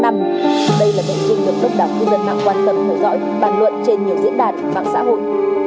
đây là dạy truyền hợp đốc đảng cư dân mạng quan tâm hồi dõi bàn luận trên nhiều diễn đàn mạng xã hội